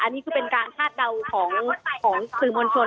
อันนี้คือเป็นการคาดเดาของสื่อมวลชน